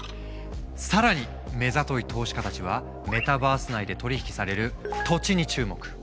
更に目ざとい投資家たちはメタバース内で取り引きされる土地に注目。